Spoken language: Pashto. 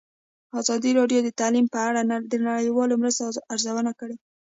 ازادي راډیو د تعلیم په اړه د نړیوالو مرستو ارزونه کړې.